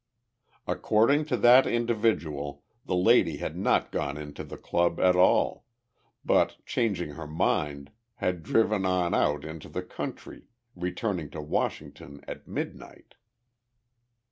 According to that individual, the lady had not gone into the club, at all, but, changing her mind, had driven on out into the country, returning to Washington at midnight.